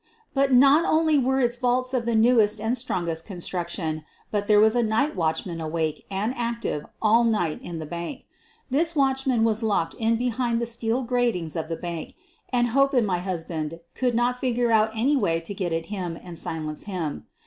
But not only were its vaults of the newest and strongest construction, but there was a night watch man awake and active all night in the bank. This watchman was locked in behind the steel gratings of the bank, and Hope and my husband could not figure out any way to get at him and silence him.